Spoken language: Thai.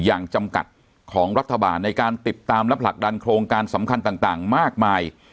อย่างจำกัดของรัฐบาลในการติดตามและผลักดันโครงการสำคัญต่างมากมาย